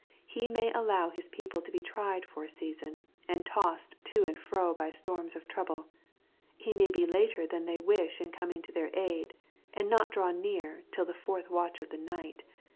He may allow His people to be tried for a season, and tossed to and fro by storms of trouble. He may be later than they wish in coming to their aid, and not draw near till the " fourth watch of the night."